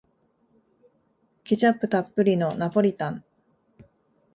ケチャップたっぷりのナポリタン